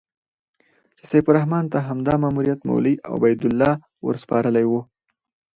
چې سیف الرحمن ته همدا ماموریت مولوي عبیدالله ورسپارلی و.